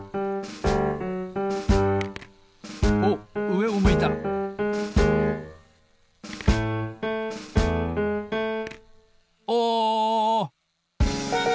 おっうえを向いたお！